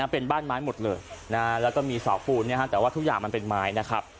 เป็นบ้านไม้หมดเลยแล้วก็มีเสาปูนแต่ว่าทุกอย่างมันเป็นไม้นะครับ